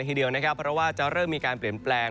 ทีเดียวนะครับเพราะว่าจะเริ่มมีการเปลี่ยนแปลง